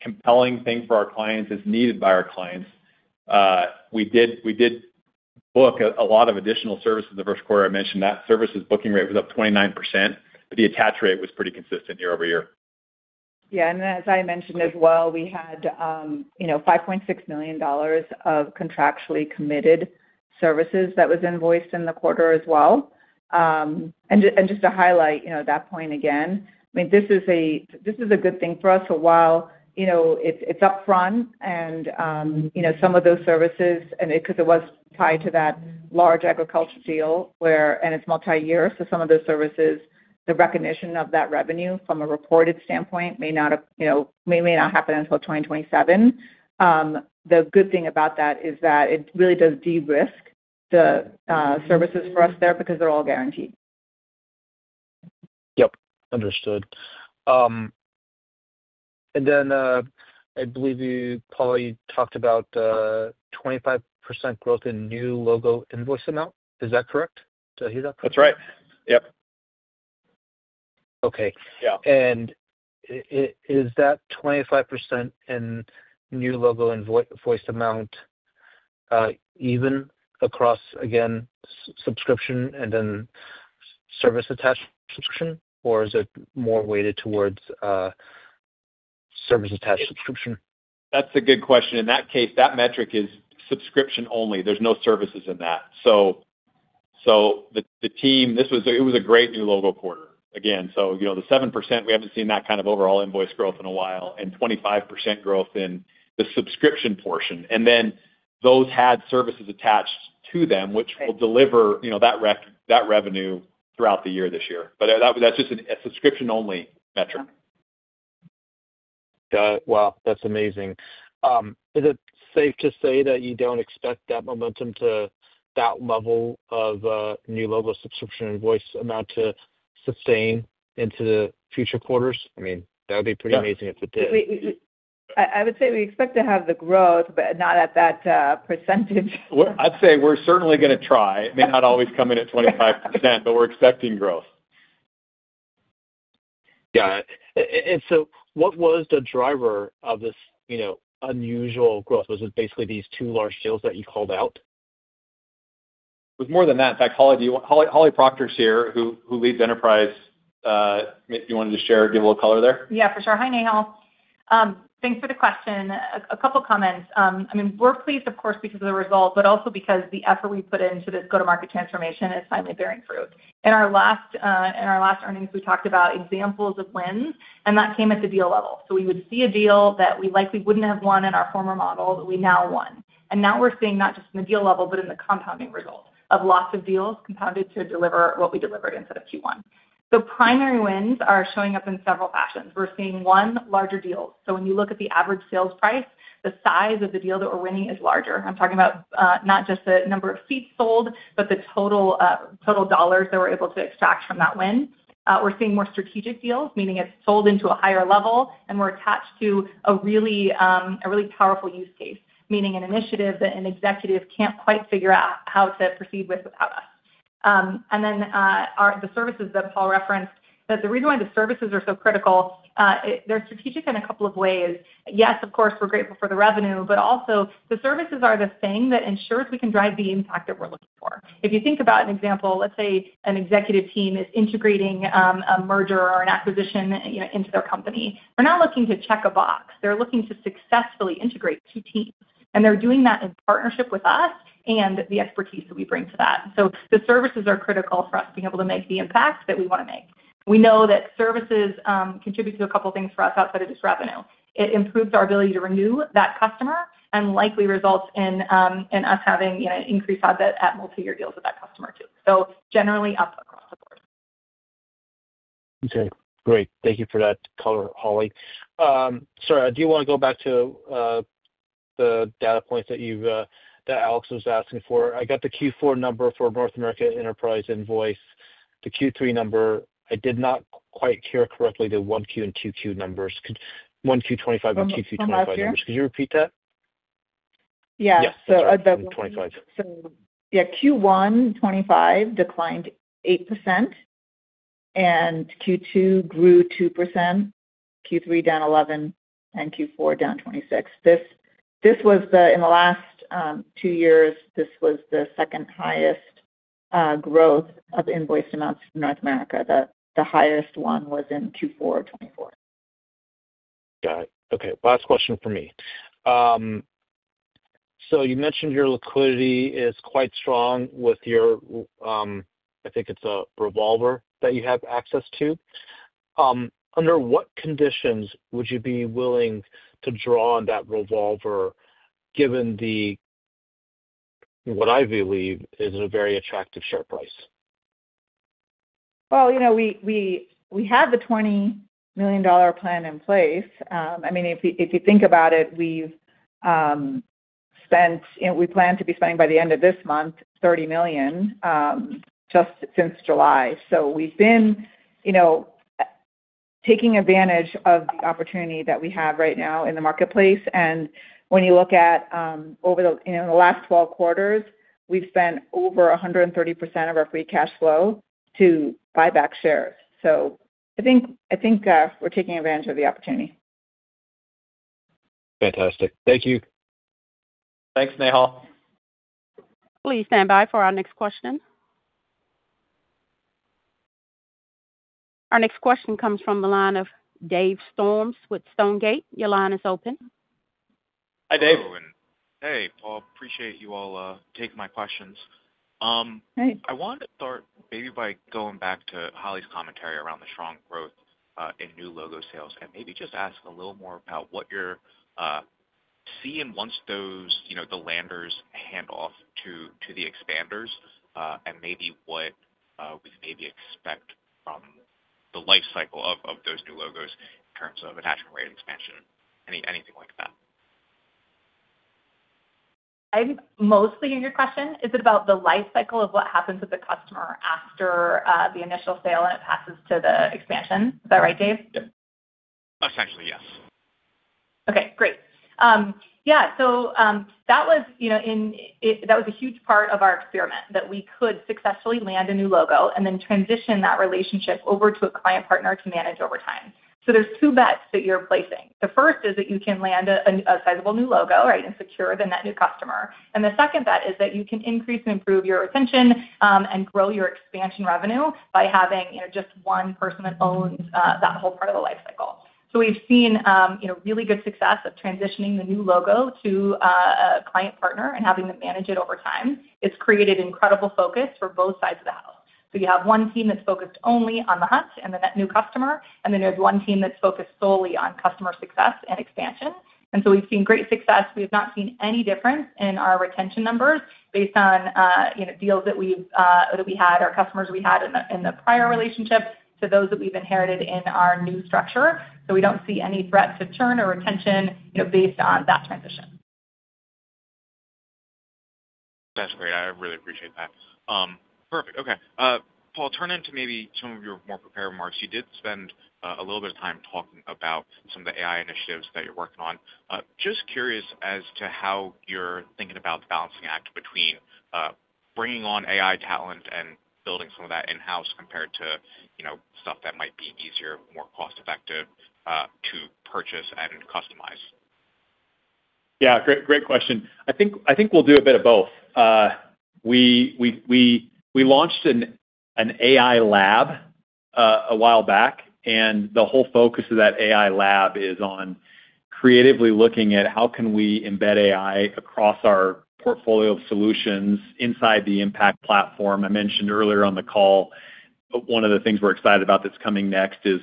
compelling thing for our clients, is needed by our clients. We did book a lot of additional services the first quarter. I mentioned that services booking rate was up 29%, but the attach rate was pretty consistent year-over-year. Yeah. And as I mentioned as well, we had $5.6 million of contractually committed services that was invoiced in the quarter as well. And just to highlight that point again, I mean, this is a good thing for us. So while it's upfront and some of those services, because it was tied to that large agriculture deal, and it's multi-year, so some of those services, the recognition of that revenue from a reported standpoint may not happen until 2027. The good thing about that is that it really does de-risk the services for us there because they're all guaranteed. Yep. Understood. And then I believe you, Paul, you talked about 25% growth in new logo invoiced amounts. Is that correct? Did I hear that correctly? That's right. Yep. Okay. And is that 25% in new logo invoiced amounts even across, again, subscription and then services-attached subscription, or is it more weighted towards services-attached subscription? That's a good question. In that case, that metric is subscription only. There's no services in that. So the team, it was a great new logo quarter. Again, so the 7%, we haven't seen that kind of overall invoiced amounts growth in a while and 25% growth in the subscription portion, and then those had services attached to them, which will deliver that revenue throughout the year, this year, but that's just a subscription-only metric. Got it. Wow. That's amazing. Is it safe to say that you don't expect that momentum to that level of new logo subscription invoiced amounts to sustain into the future quarters? I mean, that would be pretty amazing if it did. I would say we expect to have the growth, but not at that percentage. I'd say we're certainly going to try. It may not always come in at 25%, but we're expecting growth. Yeah. And so what was the driver of this unusual growth? Was it basically these two large deals that you called out? It was more than that. In fact, Holly Procter's here, who leads enterprise. You wanted to share or give a little color there? Yeah, for sure. Hi, Nehal. Thanks for the question. A couple of comments. I mean, we're pleased, of course, because of the result, but also because the effort we put into this go-to-market transformation is finally bearing fruit. In our last earnings, we talked about examples of wins, and that came at the deal level. So we would see a deal that we likely wouldn't have won in our former model that we now won. And now we're seeing not just in the deal level, but in the compounding result of lots of deals compounded to deliver what we delivered instead of Q1. The primary wins are showing up in several fashions. We're seeing one larger deal. So when you look at the average sales price, the size of the deal that we're winning is larger. I'm talking about not just the number of seats sold, but the total dollars that we're able to extract from that win. We're seeing more strategic deals, meaning it's sold into a higher level, and we're attached to a really powerful use case, meaning an initiative that an executive can't quite figure out how to proceed with without us. And then the services that Paul referenced, the reason why the services are so critical, they're strategic in a couple of ways. Yes, of course, we're grateful for the revenue, but also the services are the thing that ensures we can drive the impact that we're looking for. If you think about an example, let's say an executive team is integrating a merger or an acquisition into their company. They're not looking to check a box. They're looking to successfully integrate two teams, and they're doing that in partnership with us and the expertise that we bring to that. So the services are critical for us being able to make the impact that we want to make. We know that services contribute to a couple of things for us outside of just revenue. It improves our ability to renew that customer and likely results in us having increased odds at multi-year deals with that customer too. So generally up across the board. Okay. Great. Thank you for that color, Holly. Sorry, I do want to go back to the data points that Alex was asking for. I got the Q4 number for North America Enterprise invoice. The Q3 number, I did not quite hear correctly the 1Q and 2Q numbers, 1Q25 and 2Q25 numbers. Could you repeat that? Yeah. So 2025. Yeah. Q1 2025 declined 8%, and Q2 grew 2%, Q3 down 11%, and Q4 down 26%. In the last two years, this was the second highest growth of invoiced amounts in North America. The highest one was in Q4 of 2024. Got it. Okay. Last question for me. So you mentioned your liquidity is quite strong with your, I think it's a revolver that you have access to. Under what conditions would you be willing to draw on that revolver given what I believe is a very attractive share price? Well, we have the $20 million plan in place. I mean, if you think about it, we plan to be spending by the end of this month $30 million just since July. So we've been taking advantage of the opportunity that we have right now in the marketplace. And when you look at over the last 12 quarters, we've spent over 130% of our free cash flow to buy back shares. So I think we're taking advantage of the opportunity. Fantastic. Thank you. Thanks, Nehal. Please stand by for our next question. Our next question comes from the line of Dave Storms with Stonegate. Your line is open. Hi, Dave. Hey, Paul. Appreciate you all taking my questions. I want to start maybe by going back to Holly's commentary around the strong growth in new logo sales and maybe just ask a little more about what you're seeing once the landers hand off to the expanders and maybe what we maybe expect from the lifecycle of those new logos in terms of attachment rate expansion, anything like that. I think mostly in your question, is it about the lifecycle of what happens with the customer after the initial sale and it passes to the expansion? Is that right, Dave? Yep. Essentially, yes. Okay. Great. Yeah. So that was a huge part of our experiment, that we could successfully land a new logo and then transition that relationship over to a client partner to manage over time. So there's two bets that you're placing. The first is that you can land a sizable new logo, right, and secure the net new customer. And the second bet is that you can increase and improve your retention and grow your expansion revenue by having just one person that owns that whole part of the lifecycle. So we've seen really good success of transitioning the new logo to a client partner and having them manage it over time. It's created incredible focus for both sides of the house. So you have one team that's focused only on the hunt and the net new customer, and then there's one team that's focused solely on customer success and expansion. And so we've seen great success. We have not seen any difference in our retention numbers based on deals that we had, our customers we had in the prior relationship to those that we've inherited in our new structure. So we don't see any threat to churn or retention based on that transition. That's great. I really appreciate that. Perfect. Okay. Paul, turning to maybe some of your more prepared remarks. You did spend a little bit of time talking about some of the AI initiatives that you're working on. Just curious as to how you're thinking about balancing act between bringing on AI talent and building some of that in-house compared to stuff that might be easier, more cost-effective to purchase and customize? Yeah. Great question. I think we'll do a bit of both. We launched an AI lab a while back, and the whole focus of that AI lab is on creatively looking at how can we embed AI across our portfolio of solutions inside the Impact Platform. I mentioned earlier on the call, one of the things we're excited about that's coming next is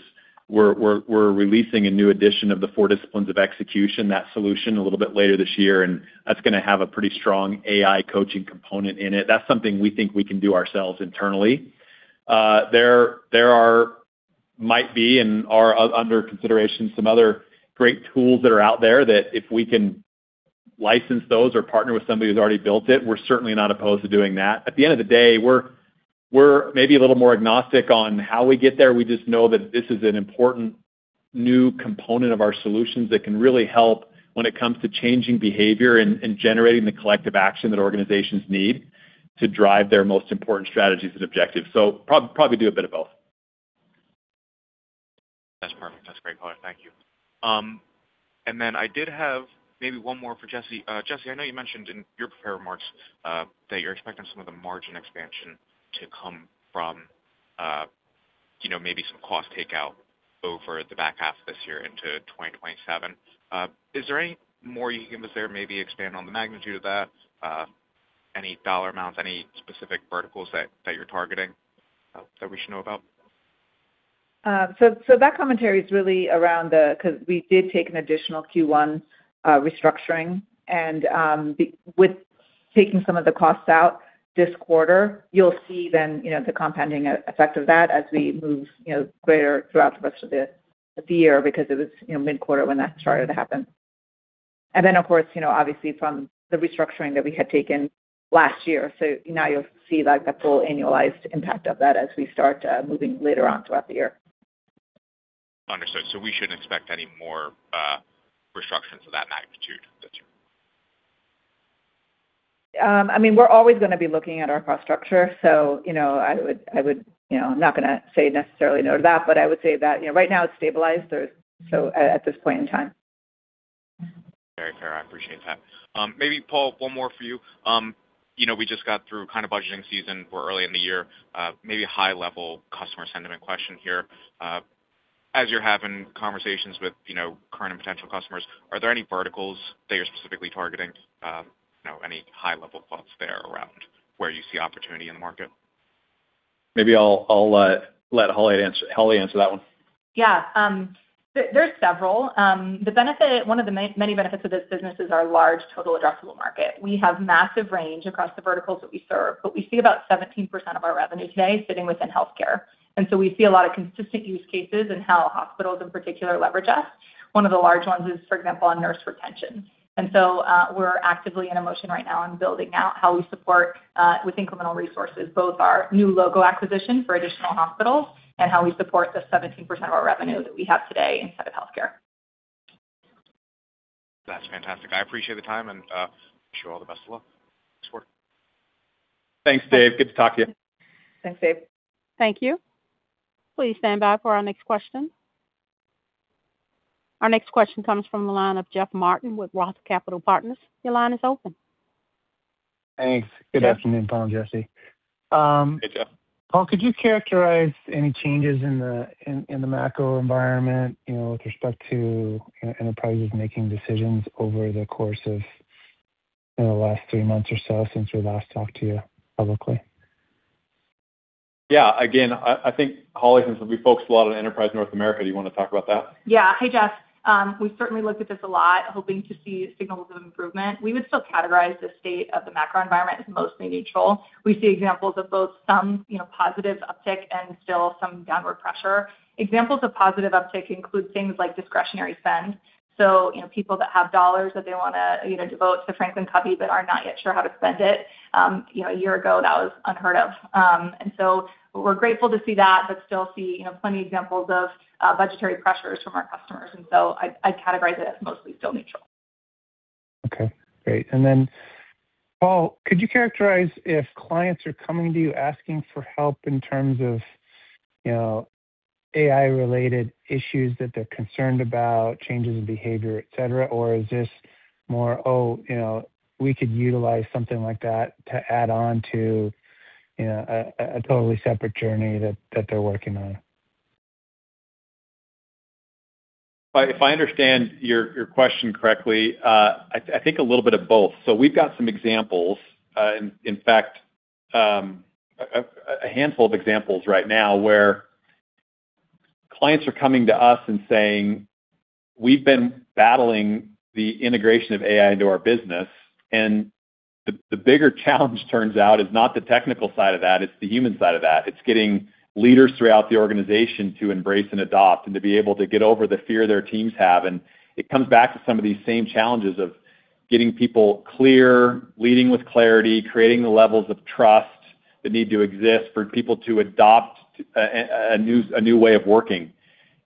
we're releasing a new edition of the Four Disciplines of Execution, that solution, a little bit later this year, and that's going to have a pretty strong AI coaching component in it. That's something we think we can do ourselves internally. There might be and are under consideration some other great tools that are out there that if we can license those or partner with somebody who's already built it, we're certainly not opposed to doing that. At the end of the day, we're maybe a little more agnostic on how we get there. We just know that this is an important new component of our solutions that can really help when it comes to changing behavior and generating the collective action that organizations need to drive their most important strategies and objectives. So probably do a bit of both. That's perfect. That's great, Holly. Thank you. And then I did have maybe one more for Jessi. Jessi, I know you mentioned in your prepared remarks that you're expecting some of the margin expansion to come from maybe some cost takeout over the back half of this year into 2027. Is there any more you can give us there? Maybe expand on the magnitude of that, any dollar amounts, any specific verticals that you're targeting that we should know about? So, that commentary is really around that because we did take an additional Q1 restructuring. And with taking some of the costs out this quarter, you'll see then the compounding effect of that as we move forward throughout the rest of the year because it was mid-quarter when that started to happen. And then, of course, obviously, from the restructuring that we had taken last year. So now you'll see the full annualized impact of that as we start moving later on throughout the year. Understood. So we shouldn't expect any more restructuring to that magnitude. I mean, we're always going to be looking at our cost structure. So I would not be going to say necessarily no to that, but I would say that right now it's stabilized. So at this point in time, very fair. I appreciate that. Maybe, Paul, one more for you. We just got through kind of budgeting season. We're early in the year. Maybe a high-level customer sentiment question here. As you're having conversations with current and potential customers, are there any verticals that you're specifically targeting, any high-level thoughts there around where you see opportunity in the market? Maybe I'll let Holly answer that one. Yeah. There's several. One of the many benefits of this business is our large total addressable market. We have massive range across the verticals that we serve, but we see about 17% of our revenue today sitting within healthcare. And so we see a lot of consistent use cases in how hospitals, in particular, leverage us. One of the large ones is, for example, on nurse retention. And so we're actively in a motion right now and building out how we support with incremental resources, both our new logo acquisition for additional hospitals and how we support the 17% of our revenue that we have today inside of healthcare. That's fantastic. I appreciate the time, and I wish you all the best of luck. Thanks, Dave. Good to talk to you. Thanks, Dave. Thank you. Please stand by for our next question. Our next question comes from the line of Jeff Martin with Roth Capital Partners. Your line is open. Thanks. Good afternoon, Paul and Jessi. Hey, Jeff. Paul, could you characterize any changes in the macro environment with respect to enterprises making decisions over the course of the last three months or so since we last talked to you publicly? Yeah. Again, I think Holly has been focused a lot on Enterprise North America. Do you want to talk about that? Yeah. Hey, Jeff. We certainly looked at this a lot, hoping to see signals of improvement. We would still categorize the state of the macro environment as mostly neutral. We see examples of both some positive uptick and still some downward pressure. Examples of positive uptick include things like discretionary spend. So people that have dollars that they want to devote to FranklinCovey but are not yet sure how to spend it. A year ago, that was unheard of. And so we're grateful to see that, but still see plenty of examples of budgetary pressures from our customers. And so I'd categorize it as mostly still neutral. Okay. Great. And then, Paul, could you characterize if clients are coming to you asking for help in terms of AI-related issues that they're concerned about, changes in behavior, et cetera, or is this more, "Oh, we could utilize something like that to add on to a totally separate journey that they're working on"? If I understand your question correctly, I think a little bit of both. So we've got some examples, in fact, a handful of examples right now where clients are coming to us and saying, "We've been battling the integration of AI into our business." And the bigger challenge, turns out, is not the technical side of that. It's the human side of that. It's getting leaders throughout the organization to embrace and adopt and to be able to get over the fear their teams have. And it comes back to some of these same challenges of getting people clear, leading with clarity, creating the levels of trust that need to exist for people to adopt a new way of working.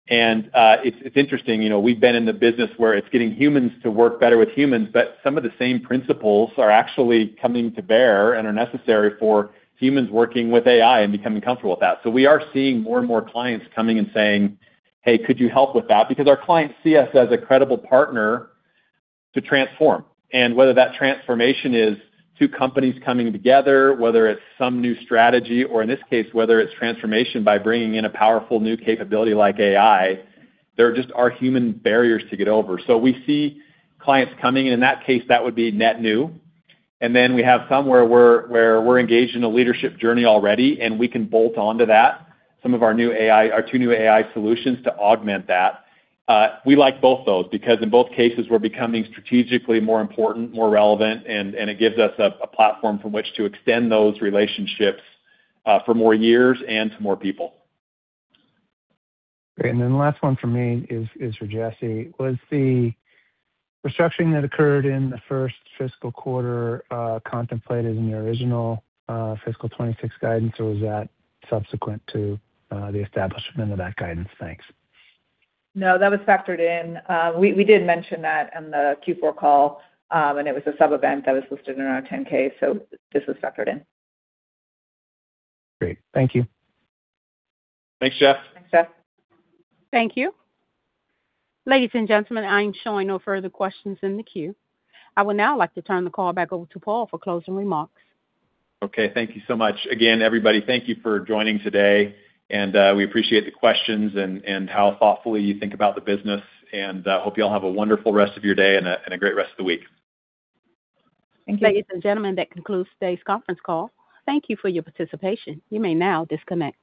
And it's interesting. We've been in the business where it's getting humans to work better with humans, but some of the same principles are actually coming to bear and are necessary for humans working with AI and becoming comfortable with that. So we are seeing more and more clients coming and saying, "Hey, could you help with that?" Because our clients see us as a credible partner to transform. And whether that transformation is two companies coming together, whether it's some new strategy, or in this case, whether it's transformation by bringing in a powerful new capability like AI, there just are human barriers to get over. So we see clients coming. In that case, that would be net new. And then we have some where we're engaged in a leadership journey already, and we can bolt onto that some of our two new AI solutions to augment that. We like both those because in both cases, we're becoming strategically more important, more relevant, and it gives us a platform from which to extend those relationships for more years and to more people. Great. And then the last one for me is for Jessi. Was the restructuring that occurred in the first fiscal quarter contemplated in the original fiscal 2026 guidance, or was that subsequent to the establishment of that guidance? Thanks. No, that was factored in. We did mention that in the Q4 call, and it was a sub-event that was listed in our 10-K. So this was factored in. Great. Thank you. Thanks, Jeff. Thanks, Jeff. Thank you. Ladies and gentlemen, I am showing no further questions in the queue. I would now like to turn the call back over to Paul for closing remarks. Okay. Thank you so much. Again, everybody, thank you for joining today. And we appreciate the questions and how thoughtfully you think about the business. And I hope you all have a wonderful rest of your day and a great rest of the week. Thank you. Ladies, and gentlemen, that concludes today's conference call. Thank you for your participation. You may now disconnect.